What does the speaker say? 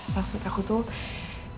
maksud aku tuh ya siapapun yang butuh bantuan